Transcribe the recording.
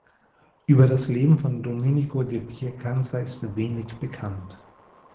Über das Leben von Domenico da Piacenza ist wenig bekannt.